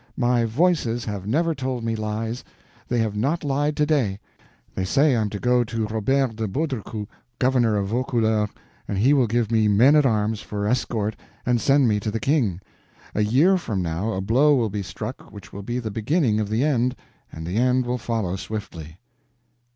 My Voices have never told me lies, they have not lied to day. They say I am to go to Robert de Baudricourt, governor of Vaucouleurs, and he will give me men at arms for escort and send me to the King. A year from now a blow will be struck which will be the beginning of the end, and the end will follow swiftly."